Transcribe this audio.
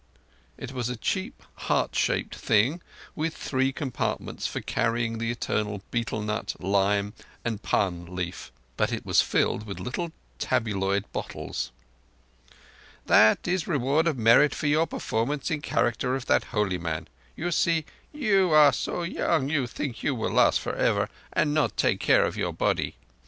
It was a cheap, heart shaped brass thing with three compartments for carrying the eternal betel nut, lime and pan leaf; but it was filled with little tabloid bottles. "That is reward of merit for your performance in character of that holy man. You see, you are so young you think you will last for ever and not take care of your body.